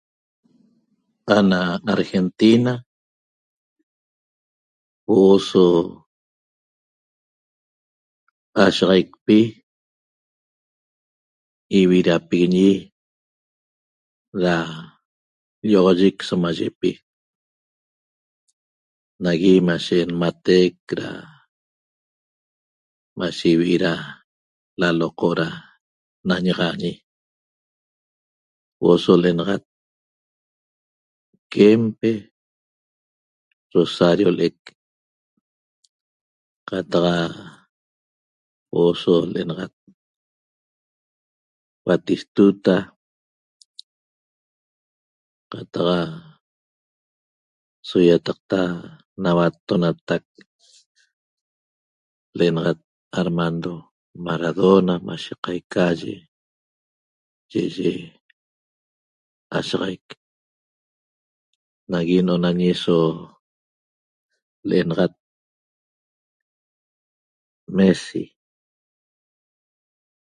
Ana Argentina huo'o so ashaxaicpi ividapiguiñi da llo'oxoyic somayipi nagui mashe nmatec da mashe ivi' da laloqo da nañaxaañi huo'o so l'enaxat Kempes Rosario l'ec qataq huo'o so l'enaxat Batistuta qataq so ýataqta nauattonatac l'enaxat Armando Maradona mashe qaica yi'iyi ashaxaic nagui n'onañi so l'enaxat Messi